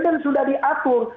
dan sudah diatur